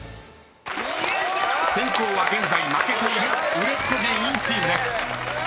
［先攻は現在負けている売れっ子芸人チームです］